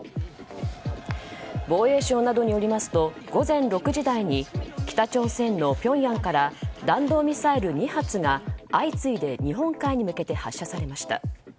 防衛省などによりますと午前６時台に北朝鮮のピョンヤンから弾道ミサイル２発が相次いで日本海に向けて発射されました。